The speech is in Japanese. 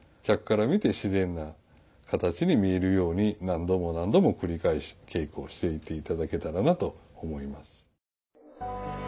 客から見て自然な形に見えるように何度も何度も繰り返し稽古をしていて頂けたらなと思います。